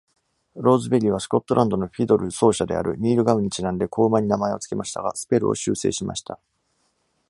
ローズベリーはスコットランドのフィドル奏者であるニール・ガウにちなんで子馬に名前を付けましたが、スペルを「修正」しました。